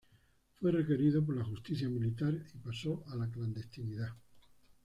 Fue requerido por la justicia militar y pasó a la clandestinidad.